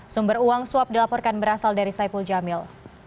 sumber uang suap dilaporkan berasal dari saipul jamil